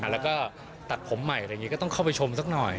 แล้วก็ตัดผมใหม่อะไรอย่างนี้ก็ต้องเข้าไปชมสักหน่อย